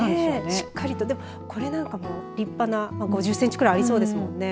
しっかりと、これなんかも立派な５０センチぐらいありそうですもんね。